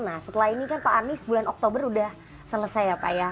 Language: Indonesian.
nah setelah ini kan pak anies bulan oktober sudah selesai ya pak ya